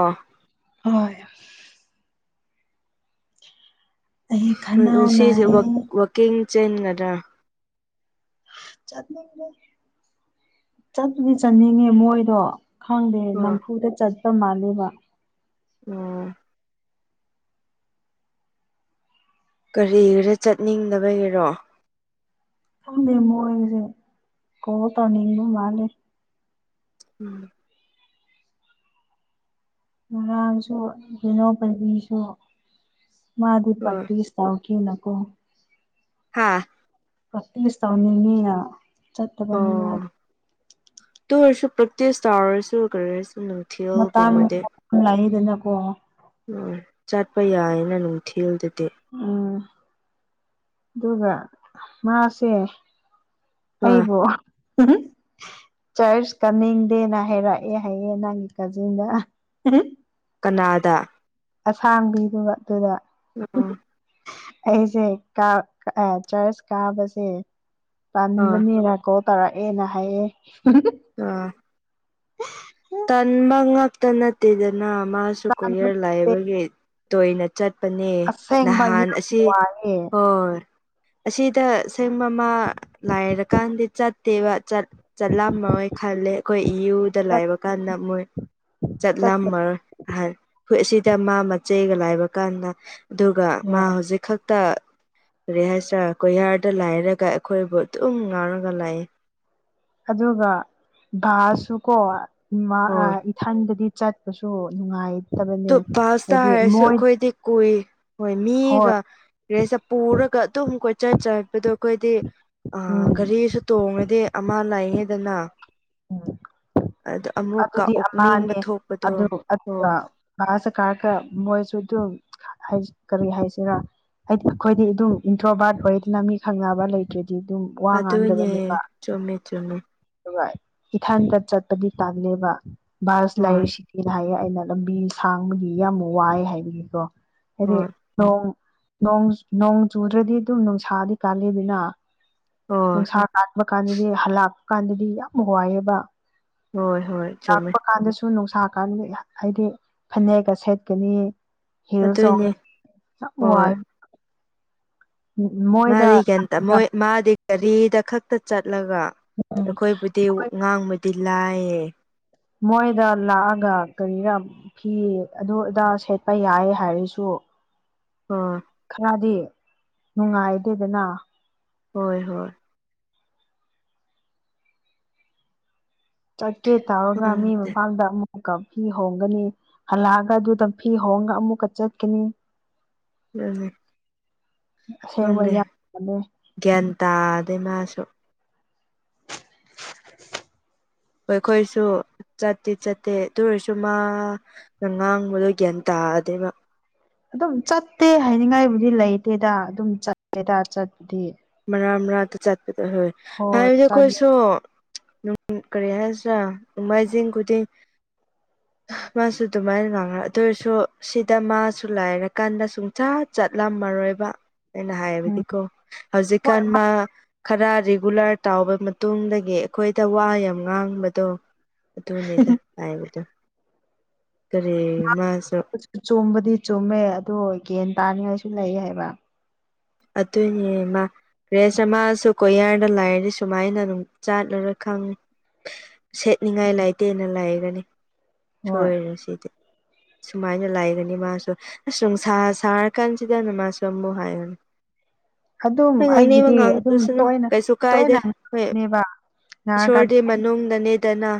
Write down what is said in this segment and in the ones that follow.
ꯑꯥ ꯍꯣꯏ ꯑꯩ ꯈꯅꯥꯎ ꯁꯤꯁꯦ ꯅꯥꯏꯌꯦ ꯋꯥꯛꯀꯤꯡ ꯆꯦꯟꯒꯗ꯭ꯔꯥ ꯆꯠꯅꯤꯡꯗꯦ ꯆꯠꯇꯄꯨꯗꯤ ꯆꯠꯅꯤꯡꯉꯦ ꯃꯣꯏꯗꯣ ꯈꯪꯗꯦ ꯑꯣ ꯅꯝꯐꯨꯗ ꯆꯠꯄ ꯃꯥꯜꯂꯦꯕ ꯎꯝ ꯀꯔꯤ ꯈꯔ ꯆꯠꯅꯤꯡꯗꯕꯒꯤꯔꯣ ꯈꯝꯗꯦ ꯃꯣꯏꯁꯦ ꯀꯣ ꯇꯥꯅꯤꯡꯕ ꯃꯥꯜꯂꯤꯦ ꯎꯝ ꯉꯥꯡꯁꯨ ꯕꯤꯅꯣꯄꯕꯤꯁꯨ ꯍꯣꯏ ꯃꯥꯗꯨꯄꯇ ꯆꯥꯎꯥꯛ ꯀ ꯅꯀꯣ [unintelligible] ꯍꯥꯥ ꯀꯇ ꯏꯁꯥꯎꯅꯤꯅꯤ ꯆꯠꯇꯠꯇꯄꯅꯤ ꯃꯥ ꯇꯨ ꯑꯣꯏꯔꯁꯨ ꯄꯇ꯭ꯦ ꯁꯇꯥꯔꯁꯨ ꯑꯣꯏꯔꯦꯁꯨ ꯃꯇꯥꯡ ꯂꯥꯛꯏꯗꯅꯀꯣ ꯎꯝ ꯆꯠꯄ ꯌꯥꯏꯅ ꯅꯨꯡꯊꯤꯜꯗꯗꯤ ꯎꯝ ꯑꯗꯨꯒ ꯃꯥꯁꯦ ꯍꯣꯏ ꯑꯩꯕꯨ ꯆꯔꯆ ꯀꯟꯅꯤꯡꯗꯦꯅ ꯍꯥꯏꯔꯛꯑꯦ ꯍꯥꯏꯌꯦ ꯅꯪꯒꯤ ꯀꯥꯖꯤꯟꯗ ꯀꯅꯥꯗꯥ ꯑꯁꯥꯡꯕꯤꯗꯨꯒ ꯑꯗꯨꯗ ꯍꯣꯏ ꯑꯩꯁꯦ ꯆꯔꯆ ꯀꯥꯕꯁꯦ ꯑꯥ ꯄꯥꯟꯕꯅꯤꯅꯀꯣ ꯇꯧꯔꯛꯑꯦꯅ ꯍꯥꯏꯌꯦ ꯑ ꯇꯟ ꯃꯪꯒ ꯇꯅ ꯇꯗꯅꯥ ꯃꯥꯁ ꯁꯨ ꯇꯟꯕꯅꯦ ꯀꯨꯌꯔ ꯂꯥꯏꯕꯒꯤ ꯇꯣꯏꯅ ꯆꯠꯄꯅꯦ ꯑꯁꯦꯡꯕ ꯅꯍꯥꯟ ꯌꯥꯝ ꯑꯁꯤ ꯋꯥꯏꯑꯦ ꯍ ꯑꯁꯤꯗ ꯑꯁꯦꯡ ꯃꯃꯥ ꯂꯥꯏꯔꯀꯥꯟꯗꯤ ꯆꯠꯇꯦꯕꯠ ꯆꯠꯂꯝꯃꯣꯏ ꯈꯜꯂꯦ ꯑꯩꯈꯣꯏ ꯏꯨꯗ ꯂꯥꯏꯕ ꯀꯥꯟꯗ ꯃꯣꯏ ꯆꯠꯂꯝꯃ ꯑꯍ ꯈꯨꯠ ꯑꯁꯤꯗ ꯃꯥ ꯃꯆꯩꯒ ꯂꯥꯏꯕ ꯀꯥꯟꯗ ꯑꯗꯨꯒ ꯃꯥ ꯍꯣꯏ ꯍꯧꯖꯤꯛ ꯈꯛꯇ ꯀꯔꯤ ꯍꯥꯏꯁꯤꯔꯥ ꯀꯣꯍꯔꯗ ꯂꯥꯏꯔꯒ ꯑꯩꯈꯣꯏꯕꯨ ꯑꯗꯨꯝ ꯉꯥꯎꯔꯒ ꯂꯥꯏꯑ ꯑꯗꯨꯒ ꯕꯥꯁꯁꯨꯀꯣ ꯍꯣꯏ ꯏꯊꯟꯗꯗꯤ ꯆꯠ ꯁꯨ ꯅꯨꯡꯉꯥꯏ ꯑꯗꯨ ꯄꯥꯁꯇ ꯍꯥꯏꯔꯁꯨ ꯑꯩꯈꯣꯏꯗꯤ ꯀꯨꯏ ꯍꯣꯏ ꯃꯤꯒ ꯍꯣꯏ ꯔꯤꯁꯦ ꯄꯨꯔꯒ ꯑꯗꯨꯝ ꯀꯣꯏꯆꯠ ꯆꯠꯄꯗꯣ ꯑꯩꯈꯣꯏꯗꯤ ꯑ ꯎꯝ ꯘꯔꯤꯁꯨ ꯇꯣꯡꯉꯗꯤ ꯑꯃ ꯂꯥꯏꯉꯦꯗꯅ ꯎꯝ ꯑꯃꯨꯛꯀ ꯑꯗꯨꯗꯤ ꯑꯣꯛꯅꯤꯡꯕ ꯑꯃꯅꯦ ꯊꯣꯛꯄꯗꯣ ꯑꯗꯨ ꯑꯣ ꯃꯥꯁ ꯀꯥꯔ ꯀ ꯃꯣꯏꯁꯨ ꯑꯗꯨ ꯀꯔꯤ ꯍꯥꯏꯁꯤꯔ ꯍꯥꯏꯗꯤ ꯑꯩꯈꯣꯏꯗꯤ ꯑꯗꯨꯝ ꯏꯟꯊ꯭ꯔꯣꯕꯥꯠ ꯑꯣꯏꯔꯗꯅ ꯃꯤ ꯈꯪꯅꯕ ꯂꯩꯇ꯭ꯦ ꯗꯤ ꯑꯗꯨꯝ ꯋꯥ ꯉꯥꯡꯗꯕꯅꯦꯕ ꯑꯗꯨꯅꯦ ꯆꯨꯝꯃꯦ ꯆꯨꯝꯃꯦ ꯑꯗꯨꯒ ꯏꯊꯥꯟꯇ ꯆꯠꯄꯒꯤ ꯇꯥꯡꯂꯦꯕ ꯕꯥꯔꯁ ꯍꯣꯏ ꯂꯥꯏꯁꯤ ꯁꯤꯅ ꯍꯥꯏꯌꯦ ꯑꯩꯅ ꯂꯝꯕꯤ ꯁꯥꯡꯕꯒꯤ ꯌꯥꯝ ꯋꯥꯏ ꯍꯥꯏꯕꯒꯤꯀꯣ ꯍꯥꯏꯗꯤ ꯍꯣꯏ ꯅꯣꯡ ꯅꯣꯡ ꯆꯨꯗ꯭ꯔꯗꯤ ꯑꯗꯨꯝ ꯅꯨꯡꯁꯥꯗꯤ ꯀꯥꯜꯂꯤꯗꯅ ꯍꯣꯏ ꯅꯨꯡꯁꯥ ꯀꯥꯟꯕ ꯀꯥꯟꯗꯗꯤ ꯍꯜꯂꯛꯄ ꯀꯥꯟꯗꯗꯤ ꯌꯥꯝ ꯋꯥꯏꯑꯕ ꯍꯣꯏ ꯍꯣꯏ ꯆꯨꯝꯃꯦ ꯂꯥꯛꯄ ꯀꯥꯟꯗꯁꯨ ꯅꯨꯡꯁꯥ ꯀꯥꯟꯗ ꯍꯥꯏꯗꯤ ꯐꯅꯦꯛꯀ ꯁꯦꯠꯀꯅꯤ ꯍꯁ ꯑꯗꯨꯏꯅꯦ ꯍꯣꯏ ꯋꯥꯏ ꯃꯣꯏꯗ ꯃꯥꯗꯤ ꯀꯟꯇ ꯃꯣꯏ ꯃꯥꯗꯤ ꯒꯥꯔꯤꯗ ꯈꯛꯇ ꯆꯠꯂꯒ ꯑꯩꯈꯣꯏꯕꯨꯗꯤ ꯉꯥꯡꯕꯗꯤ ꯂꯥꯏꯌꯦ ꯃꯣꯏꯗ ꯂꯥꯛꯑꯒ ꯀꯔꯤꯔꯥ ꯐꯤ ꯑꯗꯨꯗꯥ ꯁꯦꯠꯄ ꯌꯥꯏ ꯍꯥꯏꯔꯁꯨ ꯑꯣ ꯈꯔꯗꯤ ꯅꯨꯡꯉꯥꯏꯗꯦꯗꯅ ꯍꯣꯏ ꯍꯣꯏ ꯆꯠꯀꯦ ꯇꯧꯔꯒ ꯃꯤ ꯈꯪꯗꯦ ꯃꯐꯝꯗ ꯑꯃꯨꯛ ꯑꯃꯨꯛꯀ ꯐꯤ ꯍꯣꯡꯒꯅꯤ ꯍꯜꯂꯛꯑꯒ ꯑꯗꯨꯗ ꯐꯤ ꯍꯣꯡꯒ ꯑꯃꯨꯛꯀ ꯆꯠꯀꯅꯤ ꯎꯝ ꯑꯁꯦꯡꯕ ꯗꯦ ꯌꯥꯝꯕꯅꯦ ꯒ꯭ꯌꯥꯟ ꯇꯥ ꯑꯗꯩ ꯃꯥꯁꯨ ꯑꯩꯈꯣꯏꯁꯨ ꯆꯠꯇꯤ ꯆꯠꯇꯦ ꯇ ꯑꯣꯏꯔꯁꯨ ꯃꯥ ꯅ ꯉꯥꯡꯕꯗꯣ ꯒ꯭ꯌꯥꯟ ꯇꯥꯗꯤ ꯃꯥ ꯑꯗꯨꯝ ꯆꯠꯇꯦ ꯍꯥꯏꯅꯤꯡꯉꯥꯏꯕꯨꯗꯤ ꯂꯩꯇꯦꯗ ꯑꯗꯨꯝ ꯆꯠꯂꯦꯗ ꯆꯠꯄꯗꯤ ꯃꯔꯅꯥ ꯃꯔꯅꯥꯛꯇ ꯆꯠꯄꯗ ꯍꯣꯏ ꯍꯥꯏꯕꯗꯤ ꯑꯩꯈꯣꯏꯁꯨ ꯀꯔꯤ ꯍꯥꯏꯁꯤ꯭ꯔꯥ ꯎꯃꯥꯏꯖꯤꯡ ꯈꯨꯗꯤꯡ ꯃꯥꯁꯨ ꯑꯗꯨꯃꯥꯏꯅ ꯉꯥꯡꯉ ꯑꯗꯨ ꯑꯣꯏꯔꯁꯨ ꯁꯤꯗ ꯃꯥꯁꯨ ꯂꯥꯏꯔꯀꯥꯟꯗ ꯁꯨꯝ ꯆꯥ ꯆꯠꯂꯝꯃꯔꯣꯏꯕ ꯑꯩꯅ ꯎꯝ ꯍꯥꯏꯕꯗꯤꯀꯣ ꯍꯣꯏ ꯍꯧꯖꯤꯛꯀꯥꯟ ꯃꯥ ꯈꯔ ꯔꯤꯒꯨꯂꯔ ꯇꯥꯎꯕ ꯃꯇꯨꯡꯗꯒꯤ ꯑꯩꯈꯣꯏꯗ ꯋꯥ ꯌꯥꯝ ꯉꯥꯡꯕꯗꯣ ꯑꯗꯨꯅꯦꯗ ꯍꯥꯏꯕꯗꯣ ꯀꯔꯤ ꯃꯥꯁꯨ ꯆꯨꯝꯕꯗꯤ ꯆꯨꯝꯃꯦ ꯑꯗꯣ ꯒ꯭ꯌꯥꯟ ꯇꯥꯅꯤꯡꯉꯥꯏꯁꯨ ꯂꯩ ꯍꯥꯏꯕ ꯑꯗꯨꯅꯦ ꯃꯥ ꯔ꯭ꯔꯦꯁ ꯑꯃꯁꯨ ꯀꯣꯌꯥꯔꯗ ꯂꯥꯏꯔꯗꯤ ꯁꯨꯃꯥꯏꯅ ꯑꯗꯨꯝ ꯆꯥꯠꯂꯨꯔ ꯈꯪꯉꯦ ꯁꯦꯠꯅꯤꯡꯉꯥꯏ ꯂꯩꯇꯦꯅ ꯂꯥꯏꯒꯅꯤ ꯍꯣꯏ ꯁꯣꯏꯔꯦ ꯁꯤꯗꯤ ꯁꯨꯃꯥꯏꯅ ꯂꯩꯒꯅꯤ ꯃꯥꯁꯨ ꯑꯁꯨꯝ ꯁꯥꯔꯀꯥꯟꯁꯤꯗꯅ ꯃꯥꯁꯨ ꯑꯃꯨꯛ ꯍꯥꯏꯌꯨꯅꯤ ꯑꯗꯨꯝ ꯍꯣꯏ ꯉꯥꯡꯅꯤꯡꯕ ꯑꯩꯒꯤꯗꯤ ꯑꯗꯨꯝ ꯉꯥꯡꯗꯁꯅꯨ ꯇꯣꯏꯅ ꯀꯩꯁꯨ ꯀꯥꯏꯗꯦ ꯇꯣꯏꯅ ꯍꯣꯏ ꯅꯦꯕ ꯅꯥꯔꯀꯥꯟꯗ ꯏꯁꯣꯔꯒꯤ ꯃꯅꯨꯡꯗꯅꯦꯗꯅ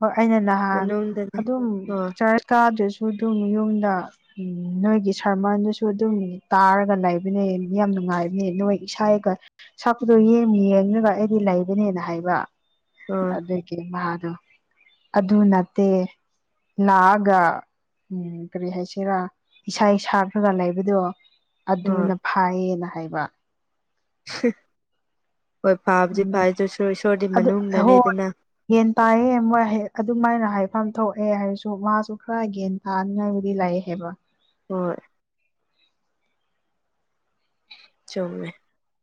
ꯍꯣꯏ ꯑꯩꯅ ꯅꯍꯥꯟ ꯃꯅꯨꯡꯗꯅꯦ ꯑꯗꯨꯝ ꯍꯣꯏ ꯆꯔ ꯀꯥꯗ꯭ꯔꯁꯨ ꯑꯗꯨꯝ ꯌꯨꯝꯗ ꯎꯝ ꯅꯣꯏꯒꯤ ꯁꯔꯃꯟꯗꯨꯁꯨ ꯑꯗꯨꯝ ꯇꯥꯔꯒ ꯂꯩꯕꯅꯦ ꯌꯥꯝ ꯅꯨꯡꯉꯥꯏꯕꯅꯦ ꯅꯣꯏ ꯏꯁꯥꯒ ꯁꯛꯄꯗꯣ ꯌꯦꯡ ꯌꯦꯡꯉꯒ ꯑꯩꯗꯤ ꯂꯩꯕꯅꯦꯅ ꯍꯥꯏꯕ ꯍꯣꯏ ꯑꯗꯨꯗꯗꯒꯤ ꯃꯥꯣ ꯑꯗꯨꯗ ꯅꯠꯇꯦ ꯅꯒ ꯎꯝ ꯀꯔꯤ ꯍꯥꯏꯁꯤꯔꯥ ꯏꯁꯥ ꯁꯥꯈ꯭ꯔꯒ ꯂꯩꯕꯗꯣ ꯍꯣꯏ ꯑꯗꯨꯅ ꯐꯥꯏꯌꯦꯅ ꯍꯥꯏꯕ ꯍꯣꯏ ꯎꯝ ꯐꯥꯕꯨꯗꯤ ꯐ ꯏꯁꯣꯔꯗꯤ ꯃꯅꯨꯡꯅꯤꯗꯅ ꯌꯦꯟ ꯇꯥꯏꯌꯦ ꯃꯣꯏ ꯑꯗꯨꯃꯥꯏꯅ ꯍꯥꯏꯐꯝ ꯊꯣꯛꯑꯦ ꯍꯥꯏꯔꯁꯨ ꯃꯥꯁꯨ ꯈꯔ ꯌꯦꯟ ꯇꯥꯅꯤꯉꯥꯏꯕꯨꯗꯤ ꯂꯩ ꯍꯥꯏꯕ ꯍꯣꯏ ꯆꯨꯝꯃꯦ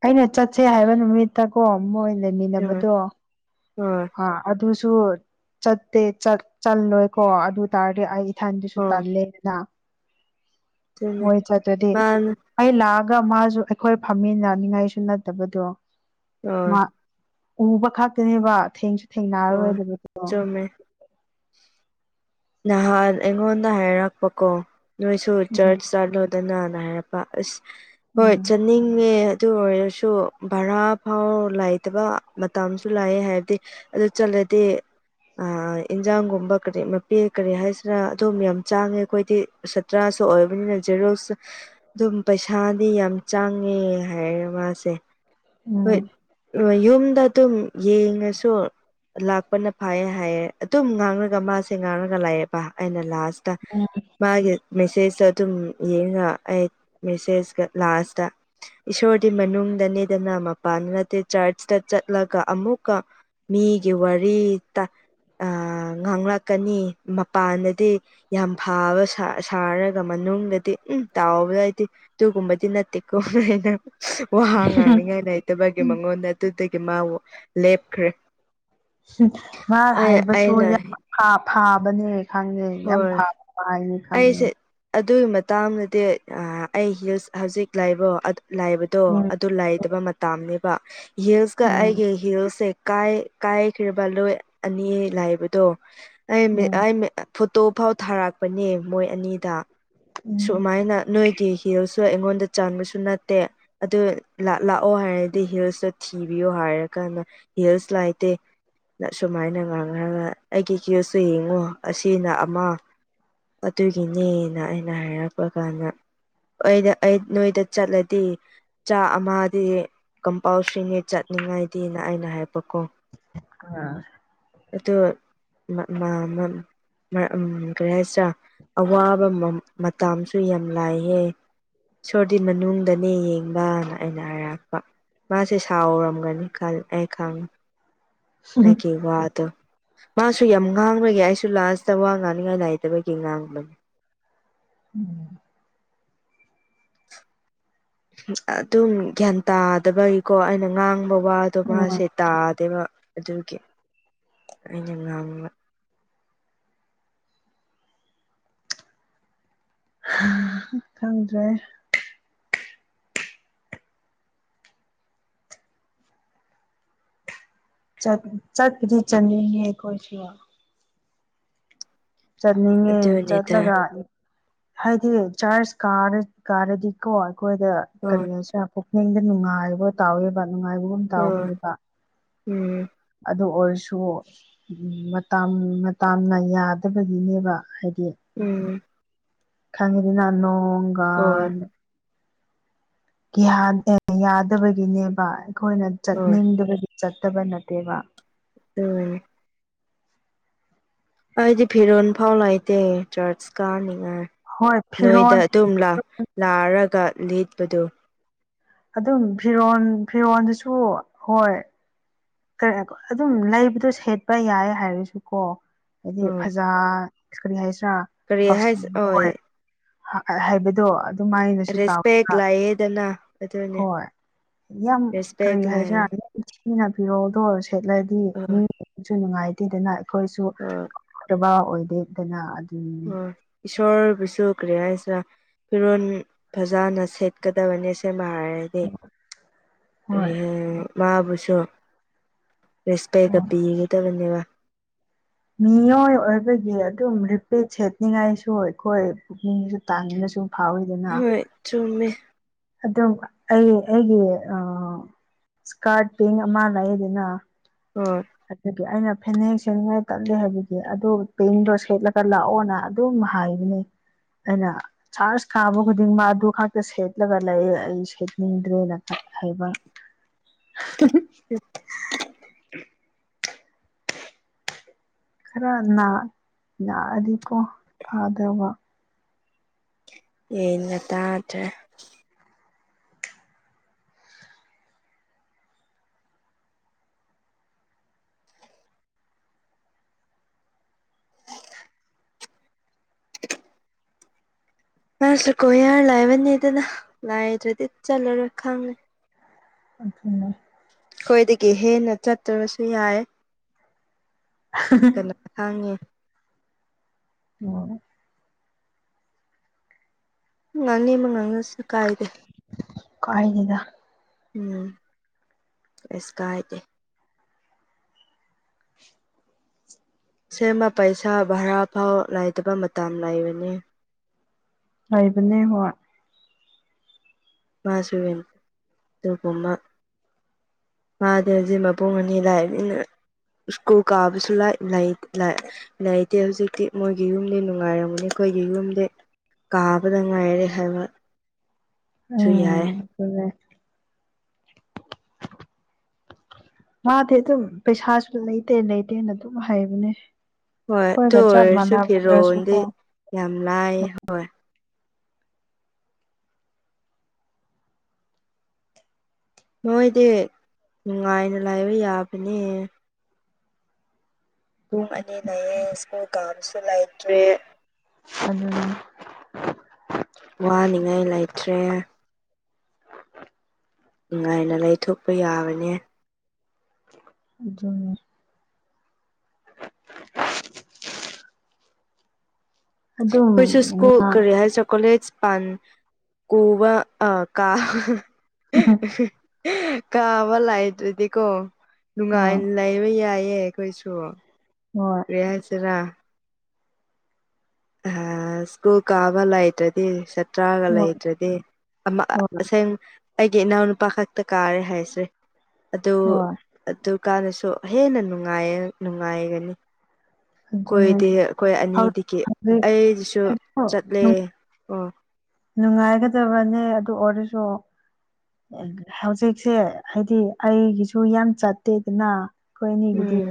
ꯑꯩꯅ ꯆꯠꯁꯦ ꯍꯥꯏꯕ ꯅꯨꯃꯤꯠꯇ ꯀꯣ ꯃꯣꯏ ꯂꯩꯃꯤꯟꯅꯕꯗꯣ ꯍ‌ꯣꯏ ꯑ ꯑꯗꯨꯁꯨ ꯆꯠꯇꯦ ꯆꯠ ꯆꯜꯂꯣꯏꯀꯣ ꯑꯗꯨ ꯇꯥꯔꯗꯤ ꯑꯩ ꯏꯊꯟꯗꯁꯨ ꯍꯣꯏ ꯇꯜꯂꯦꯗꯅ ꯑꯗꯨꯅꯦ ꯃꯣꯏ ꯆꯠꯇ꯭ꯔꯗꯤ ꯃꯥꯅ ꯑꯩ ꯂꯥꯛꯑꯒ ꯃꯥꯁꯨ ꯑꯩꯈꯣꯏ ꯐꯝꯃꯤꯟꯅꯅꯤꯡꯉꯥꯏꯁꯨ ꯅꯠꯇꯕꯗꯣ ꯍꯣꯏ ꯃꯥ ꯎꯕ ꯈꯛꯇꯅꯦꯕ ꯊꯦꯡꯁꯨ ꯊꯦꯡꯅꯔꯔꯣꯏ‌ ꯍꯣꯏ ꯑꯗꯨꯕꯨꯗꯤꯗꯣ ꯆꯨꯝꯃꯦ ꯅꯍꯥꯟ ꯑꯩꯉꯣꯟꯗ ꯍꯥꯏꯔꯛꯄꯀꯣ ꯅꯣꯏꯁꯨ ꯎꯝ ꯆꯔꯁ ꯆꯠꯂ‌ꯣꯗꯅ ꯍꯥꯏꯔꯛ ꯄꯥ ꯑꯁ ꯍꯣꯏ ꯎꯝ ꯆꯠꯅꯤꯡꯉꯦ ꯑꯗꯨ ꯑꯣꯏꯔꯁꯨ ꯚꯔꯥ ꯐꯥꯎ ꯂꯩꯥꯇꯕ ꯃꯇꯝꯁꯨ ꯂꯥꯛꯑ‌ꯦ ꯍꯥꯏꯕꯗꯩ ꯑꯗꯨ ꯆꯠꯂꯗꯤ ꯑ ꯏꯟꯖꯥꯡꯒꯨꯝꯕ ꯀꯔꯤ ꯄꯦ ꯀꯔꯤ ꯍꯥꯏꯁꯤꯔ ꯑꯗꯨꯝ ꯌꯥꯝ ꯆꯪꯉꯦ ꯑꯩꯈꯣꯏꯗꯤ ꯁꯇ꯭ꯔꯥꯁꯨ ꯑꯣꯏꯕꯅꯤꯅ ꯖꯦꯔꯣꯛꯁꯨ ꯑꯗꯨꯝ ꯄꯩꯁꯥꯗꯤ ꯌꯥꯝ ꯆꯪꯉꯦ ꯍꯥꯏꯔꯦ ꯃꯥꯁꯦ ꯎꯝ ꯍ‌ꯣꯏ ꯔ‌ꯣꯏ ꯌꯨꯝꯗ ꯑꯗꯨꯝ ꯌꯦꯡꯉꯁꯨ ꯂꯥꯛꯄꯅ ꯐꯩꯌꯦ ꯍꯥꯏꯌꯦ ꯑꯗꯨꯝ ꯉꯥꯡꯔꯒ ꯃꯥꯁꯨ ꯁ‌ꯦ ꯉꯥꯡꯔꯒ ꯂꯩꯥꯔꯕ ꯑꯩꯅ ꯂꯥꯁꯇ ꯎꯝ ꯃꯥꯒꯤ ꯃꯦꯁꯦꯖꯇ ꯑꯗꯨꯝ ꯌꯦꯡꯔꯒ ꯑꯩ ꯃꯦꯁꯦꯖꯀ ꯂꯥꯁꯇ ꯏꯁꯣꯔꯗꯤ ꯃꯅꯨꯡꯗꯅꯦꯗꯅ ꯃꯄꯥꯟꯗ ꯅꯠꯇꯦ ꯆꯔꯁꯇ ꯆꯠꯂꯒ ꯑꯃꯨꯛꯀ ꯃꯤꯒꯤ ꯋꯥꯔꯤ ꯇꯥ ꯑ ꯉꯥꯡꯔ ꯀꯅꯤ ꯃꯄꯥꯟꯗꯗꯤ ꯌꯥꯝ ꯐꯕ ꯁꯥ ꯁꯥꯔꯒ ꯃꯅꯨꯡꯗꯗꯤ ꯎꯝ ꯇꯧꯕꯗꯩꯗꯤ ꯑꯗꯨꯒꯨꯝꯕꯗꯤ ꯅꯠꯇꯦꯀꯣꯅ ꯑꯩꯅ ꯋꯥ ꯉꯥꯡꯅꯤꯡꯉꯥꯏ ꯂꯩꯇꯕꯒꯤ ꯃꯉꯣꯟꯗ ꯑꯗꯨꯗꯒꯤ ꯃꯥ ꯋꯥ ꯎꯝ ꯃꯥ ꯑꯩ ꯍꯥꯏꯕꯁꯨ ꯑꯩꯅ ꯌꯥ ꯐꯥꯕꯅꯦ ꯈꯪꯉꯦ ꯌꯥꯝ ꯐꯥꯕꯅ‌ꯦ ꯈꯪꯉꯦ ꯑꯗꯨꯏ ꯃꯇꯥꯡꯗꯗꯤ ꯑꯥ ꯑꯩ ꯍꯤꯜꯁ ꯍꯧꯖꯤꯛ ꯂꯩꯕ‌ꯣ ꯑꯗꯨ ꯂꯩꯕ ꯇꯣ ꯎꯝ ꯑꯗꯨ ꯂꯩꯗꯕ ꯃꯇꯝꯅꯦꯕ ꯍꯤꯜꯁꯀ ꯎꯝ ꯑꯩꯒꯤ ꯍꯤꯜꯁꯁꯦ ꯀꯥꯏ ꯀꯥꯏꯈ꯭ꯔ‌ꯦꯕ ꯂꯣꯏ ꯑꯅꯤ ꯂꯩꯕꯗꯣ ꯑꯩ ꯃꯤꯠ ꯎꯝ ꯑꯩ ꯃꯤꯠ ꯐꯣꯇꯣ ꯐꯥꯎ ꯊꯥꯔꯛꯄꯅꯦ ꯃꯣꯏ ꯑꯅꯤꯗ ꯎꯝ ꯁꯨꯃꯥꯏꯅ ꯅꯣꯏ ꯒꯤ ꯍꯤꯜꯁꯁꯨ ꯑꯩꯉꯣꯟꯗ ꯆꯟꯕꯁꯨ ꯅꯠꯇꯦ ꯑꯗꯨ ꯂꯥꯛꯑꯣ ꯍꯥꯏꯔꯗꯤ ꯍꯤꯜꯁꯇ‌ꯣ ꯊꯤꯕꯤꯌꯣ ꯍꯥꯏꯔꯀꯥꯟꯗ ꯍꯤꯜꯁ ꯂꯩꯇꯦ ꯁꯨꯃꯥꯏꯅ ꯉꯥꯡꯅꯔ ꯑꯩꯒꯤ ꯍꯤꯜꯁꯇꯨ ꯌꯦꯡꯉꯣ ꯑꯁꯤ ꯁꯤꯅ ꯑꯃ ꯑꯗꯨꯒꯤꯅꯦꯅ ꯑꯩꯅ ꯍꯥꯏꯔꯛꯄ ꯀꯥꯟꯗ ꯑꯩꯅ ꯑꯩ ꯅꯣꯏꯗ ꯆꯠꯂꯗꯤ ꯆꯥ ꯑꯃꯗꯤ ꯀꯝꯄꯥꯜꯁꯔꯤꯅ‌ꯦ ꯆꯠꯅꯤꯡꯉꯥꯏꯗꯤꯅ ꯑꯩꯅ ꯍꯥꯏꯕꯀꯣ ꯑꯥ ꯑꯗꯣ ꯃꯥ ꯃꯥ ꯎꯝ ꯀꯔꯤ ꯍꯥꯏꯁꯤꯔꯥ ꯑꯋꯥꯕ ꯃꯥ ꯃꯇꯝꯁꯨ ꯌꯥꯝ ꯂꯩꯌ‌ꯦ ꯏꯁꯣꯔꯗꯤ ꯃꯅꯨꯡꯗꯅꯦ ꯌꯦꯡꯕꯅ ꯑꯩꯅ ꯍꯥꯏꯔꯛꯄ ꯃꯥꯁꯦ ꯁꯥꯎꯔꯝꯒꯅꯤ ꯈꯜ ꯑꯩ ꯈꯪꯉ‌ꯦ ꯑꯩꯒꯤ ꯋꯥꯗꯨ ꯃꯥꯁꯨ ꯌꯥꯝ ꯉꯥꯡꯕꯒꯤ ꯑꯩꯁꯨ ꯂꯥꯁꯇ ꯋꯥ ꯉꯥꯡꯅꯤꯡꯉꯥꯏ ꯂꯩꯥꯇꯕꯒꯤ ꯉꯥꯡꯕ ꯎꯝ ꯑꯗꯨꯝ ꯒ꯭ꯌꯥꯟ ꯇꯥꯗꯕꯒꯤꯀꯣ ꯑꯩꯅ ꯉꯥꯡꯕ ꯋꯥ ꯑꯗꯣ ꯎꯝ ꯃꯥꯁꯦ ꯇꯥꯗꯦꯕ ꯑꯗꯨꯒꯤ ꯑꯩꯅ ꯉꯥꯡꯕ ꯈꯪꯗ꯭ꯔꯦ ꯆꯠ ꯆꯠꯄꯨꯗꯤ ꯆꯠꯅꯤꯡꯌ‌ꯦ ꯑꯩꯈ‌ꯣꯏꯁꯨ ꯆꯠꯅꯤꯡꯉꯦ ꯑꯗꯨꯅꯤꯗ ꯆꯠꯂꯒ ꯍꯥꯏꯗꯤ ꯆꯥꯔꯁ ꯀꯥꯔꯗꯤꯀꯣ ꯑꯩꯈꯣꯏꯗ ꯍꯣꯏ ꯀꯔꯤꯅꯣ ꯄꯨꯛꯅꯤꯡꯗ ꯅꯨꯡꯉꯥꯏꯕ ꯇꯥꯎꯋꯦꯕ ꯅꯨꯡꯉꯥꯏꯕꯒꯨꯝ ꯑꯣꯝ ꯇꯥꯎꯕꯅꯦꯕ ꯎꯝ ꯑꯗꯨ ꯑꯣꯏꯔꯁꯨ ꯃꯇ ꯃꯇꯥꯝꯅ ꯌꯥꯗꯕꯒꯤꯅꯦꯕ ꯍꯥꯏꯗꯤ ꯎꯝ ꯈꯪꯔꯤ ꯅꯥ ꯅꯣꯡꯒ ꯍꯣꯏ ꯌꯥꯗꯕꯒꯤꯅꯦꯕ ꯑꯩꯈꯣꯏꯅ ꯍꯣꯏ ꯆꯠꯅꯤꯡꯗꯕꯒꯤ ꯆꯠꯇꯕ ꯅꯠꯇꯦꯕ ꯎꯝ ꯑꯩꯗꯤ ꯐꯤꯔꯣꯟꯜ ꯐꯥꯎ ꯂꯩꯇꯦ ꯆꯔꯆ ꯀꯥꯅꯤꯡꯉꯥꯏ ꯍꯣꯏ ꯅꯣꯏꯗ ꯐꯤꯔꯣꯜ ꯑꯗꯨꯝ ꯂꯥꯔꯒ ꯂꯤꯠꯄꯗꯨ ꯑꯗꯨꯝ ꯐꯤꯔꯣꯟ ꯐꯤꯔꯣꯟꯜꯗꯨꯁꯨ ꯍꯣꯏ ꯑꯗꯨꯝ ꯂꯩꯕꯗꯣ ꯁꯦꯠꯄ ꯌꯥꯏ ꯍꯥꯏꯔꯁꯨꯀꯣ ꯍꯥꯏꯗꯤ ꯍꯣꯏ ꯐꯖꯥ ꯀꯔꯤ ꯍꯥꯏꯁꯤ꯭ꯔꯥ ꯀꯔꯤ ꯍꯥꯏꯁ ꯍꯣꯏ ꯍ ꯍꯥꯏꯕꯗꯣ ꯑꯗꯨꯃꯥꯏꯅꯁꯨ ꯔꯦꯁꯄꯦꯛ ꯇꯥꯎꯕ꯭ꯔ ꯂꯩꯌꯦꯗꯅ ꯑꯗꯨꯅꯦ ꯍꯣꯏ ꯌꯥꯝ ꯔꯦꯁꯄꯦꯛ ꯀꯔꯤ ꯂꯩ ꯍꯥꯏꯖ ꯏꯊꯤꯅ ꯐꯤꯔꯣꯜꯗꯣꯔ ꯁꯦꯠꯂꯗꯤ ꯍꯣꯏ ꯃꯤꯁꯨ ꯅꯨꯡꯉꯥꯏꯇꯦꯗꯅ ꯑꯩꯈꯣꯏꯁꯨ ꯑꯝ ꯑꯗꯨꯕ ꯑꯣꯏꯗꯦꯗꯅ ꯑꯗꯨꯅꯤꯅꯦ ꯑꯣ ꯏꯁꯣꯔꯕꯨꯁꯨꯈ꯭ꯔꯦ ꯍꯥꯏꯁꯤꯔꯥ ꯐꯤꯔꯣꯜ ꯐꯖꯅ ꯁꯦꯠꯀꯗꯕꯅꯦ ꯁꯦꯝꯕ ꯍꯥꯏꯔꯒꯗꯤ ꯍꯣꯏ ꯃꯥꯕꯨꯁꯨ ꯔꯦꯁꯄꯦꯛꯇ ꯍꯣꯏ ꯄꯤꯒꯗꯕꯅꯦꯕ ꯃꯤꯑꯣꯏ ꯑꯣꯏꯕꯒꯤ ꯑꯗꯨꯝ ꯔꯤꯄꯤꯠ ꯁꯦꯠꯅꯤꯡꯉꯥꯏꯁꯨ ꯑꯩꯈꯣꯏ ꯄꯨꯛꯅꯤꯡꯁꯨ ꯇꯥꯡꯅꯁꯨꯨꯝ ꯐꯥꯎꯋꯤꯗꯅ ꯍꯣꯏ ꯆꯨꯝꯃꯦ ꯑꯗꯨꯝ ꯑꯩ ꯑꯩꯒꯤ ꯏꯁꯀꯥꯔꯠ ꯄꯤꯡ ꯑꯃ ꯂꯩ ꯑꯗꯨꯅ ꯍꯣꯢ ꯑꯗꯨꯒꯤ ꯑꯩꯅ ꯐꯅꯦꯛ ꯁꯦꯅꯤꯡꯉꯥꯏ ꯇꯠꯂꯦ ꯍꯥꯏꯕꯒꯤ ꯑꯗꯨ ꯄꯦꯡꯗꯣ ꯁꯦꯠꯂꯒ ꯂꯥꯛꯑꯣꯅ ꯑꯗꯨꯝ ꯍꯥꯏꯕꯅꯦ ꯑꯩꯅ ꯆꯥꯔꯖ ꯀꯥꯕ ꯈꯨꯗꯤꯡꯃꯛ ꯑꯗꯨ ꯈꯛꯇ ꯁꯦꯠꯂꯒ ꯂꯩ ꯑꯩ ꯁꯦꯠꯅꯤꯡꯗ꯭ꯔꯦꯅ ꯍꯥꯏꯕ [inaudible] [inaudible] ꯈꯔ ꯅꯥꯛꯑꯗꯤꯀꯣ ꯐꯥꯗꯕ ꯌꯦꯩꯅ ꯉ ꯇꯇ꯭ꯔꯦ [inaudible] ꯃꯥꯁꯂꯨꯀꯣ ꯌꯥꯔ ꯂꯥꯏꯕꯅꯤꯗꯅ ꯂꯥꯏꯗ꯭ꯔꯗꯤ ꯆꯜꯂꯔꯣꯏ ꯈꯪꯉꯦ ꯑꯩꯈꯅ [inaudible] ꯑꯩꯈꯣꯏꯗꯒꯤ ꯍꯦꯟꯅ ꯆꯠꯇ꯭ꯔꯕꯁꯨ ꯌꯥꯏ ꯀꯂ ꯊꯥꯡꯉꯦ ꯑꯣ ꯉꯥꯡꯅꯤꯕ ꯉꯥꯡꯉꯁꯨ ꯀꯥꯏꯗꯦ ꯀꯥꯏꯗꯦꯗ꯫ ꯎꯝ ꯀꯩꯁ ꯀꯥꯏꯗꯦ꯫ ꯁꯦꯝꯃ ꯄꯩꯁꯥ ꯚꯔꯥ ꯐꯥꯎ ꯂꯥꯏꯇꯕ ꯃꯇꯝ ꯂꯩꯕꯅꯤ꯫ ꯂꯩꯕꯅꯦ ꯍꯣꯏ꯫ ꯃꯥꯁꯨ ꯑꯗꯨꯒꯨꯝꯃ꯫ ꯃꯗꯤ ꯍꯧꯖꯤꯛ ꯃꯄꯨꯡ ꯑꯅꯤ ꯂꯥꯛꯑꯕꯅꯤꯅ꯫ ꯁꯀ꯭ꯨꯜ ꯀꯥꯕꯁꯨ ꯂꯥꯏꯂꯩ꯫ ꯂꯩꯇꯦ ꯍꯧꯖꯤꯛꯇꯤ ꯃꯣꯏꯒꯤ ꯌꯨꯝꯗꯤ ꯅꯨꯡꯉꯥꯏꯔꯝꯃꯅꯤ ꯑꯩꯈꯣꯏꯒꯤ ꯌꯨꯝꯗꯤ꯫ ꯀꯥꯕꯗ ꯉꯥꯏꯔꯦ ꯍꯥꯏꯕ꯫ ꯁꯨ ꯌꯥꯏ ꯎ ꯃꯥꯗꯤ ꯑꯗꯨꯝ ꯄꯩꯁꯥꯁꯨ ꯂꯩꯇꯦ ꯂꯩꯇꯦꯅ ꯑꯗꯨꯝ ꯍꯥꯏꯕꯅꯦ ꯍꯣꯏ ꯑꯗꯨ ꯑꯩꯈꯣꯏꯒ ꯆꯞ ꯑꯣꯏꯔꯁꯨ ꯃꯥꯟꯅꯕꯗ꯭ꯔꯁꯨ ꯐꯤꯔꯣꯜꯗꯤ ꯀꯣ ꯌꯥꯝ ꯂꯥꯏ ꯍꯣꯏ ꯅꯣꯏꯗꯤ ꯅꯨꯡꯉꯥꯏꯅ ꯂꯥꯏꯕ ꯌꯥꯕꯅꯦ ꯄꯨꯡ ꯑꯅꯤ ꯂꯩꯌꯦ ꯁ꯭ꯀꯨꯜ ꯀꯥꯕꯁꯨ ꯂꯩꯇ꯭ꯔꯦ ꯎꯝ ꯋꯥꯅꯤꯡꯉꯥꯏ ꯂꯩꯇ꯭ꯔꯦ ꯅꯨꯡꯉꯥꯏꯅ ꯂꯩꯊꯣꯛꯄ ꯌꯥꯕꯅꯦ ꯖ ꯑꯗꯨꯝ ꯍꯣꯏꯁꯨ ꯁ꯭ꯀꯨꯜ ꯀꯔꯤ ꯍꯥꯏꯁ ꯀꯂꯦꯖ ꯄꯟ ꯀꯨꯕ ꯑ ꯀꯥ꯫ ꯀꯥꯕ ꯂꯥꯛꯗ꯭ꯔꯗꯤꯀꯣ ꯍꯣꯏ ꯅꯨꯡꯉꯥꯏꯅ ꯂꯩꯕ ꯌꯥꯏꯌꯦ ꯑꯩꯈꯣꯏꯁꯨ꯫ ꯍꯣꯏ꯫ ꯀꯔꯤ ꯍꯥꯏꯁꯦꯔ꯫ ꯍꯥ ꯁꯀꯨꯜ ꯀꯥꯕ ꯂꯥꯏꯇ꯭ꯔꯗꯤ ꯁꯠ꯫ ꯇ꯭ꯔꯥꯒ ꯍꯣꯏ ꯂꯩꯗ꯭ꯔꯗꯤ ꯍꯣꯏ ꯑꯁꯦꯡ ꯑꯩꯒꯤ ꯏꯅꯥꯎꯅꯨꯄꯥ ꯈꯛꯇ ꯀꯥꯔꯦ ꯍꯥꯏꯁꯔꯦ꯫ ꯑꯗꯨ ꯍꯣꯏ ꯑꯗꯨꯀꯥꯟꯗꯁꯨ ꯍꯦꯟꯅ ꯅꯨꯡꯉꯥꯏ ꯅꯨꯡꯉꯥꯏꯒꯅꯤ꯫ ꯑꯗꯨꯅꯦ ꯀꯣꯏꯗꯦ ꯑꯩꯈꯣꯏ ꯑꯅꯤꯗꯒꯤ ꯍꯧꯖꯤꯛ ꯑꯩꯗꯨꯁꯨ ꯆꯠꯂꯦ ꯑꯣ꯫ ꯅꯨꯡꯉꯥꯏꯒꯗꯕꯅꯦ ꯑꯗꯨ ꯑꯣꯏꯔꯁꯨ꯫ ꯍꯧꯖꯤꯛꯁꯦ ꯍꯥꯏꯗꯤ ꯑꯩꯒꯤꯁꯨ ꯌꯥꯝ ꯆꯠꯇꯦꯗꯅ꯫ ꯑꯩꯈꯣꯏꯅꯤꯒꯤꯗꯤ ꯎꯝ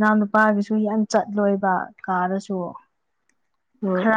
ꯅꯥꯎ ꯅꯨꯄꯥꯒꯤꯁꯨ ꯌꯥꯝ ꯆꯠꯂꯣꯏꯕ ꯀꯥꯔꯁꯨ꯫ ꯍꯣꯏ꯫ ꯈꯔ